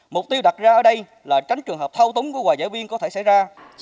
mục tiêu đặt ra ở đây là tránh trường hợp thao túng của hòa giải viên có thể xảy ra